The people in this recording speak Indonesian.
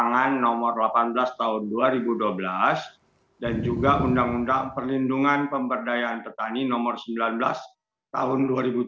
pangan nomor delapan belas tahun dua ribu dua belas dan juga undang undang perlindungan pemberdayaan petani nomor sembilan belas tahun dua ribu tujuh belas